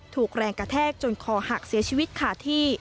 ถูกแรงกระแทกจนคอหักเสียชีวิตขาดที่